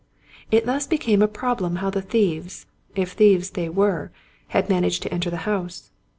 It thus became a problem how the thieves, if thieves they were, had managed to enter the house.